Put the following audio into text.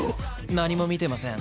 何も見てません。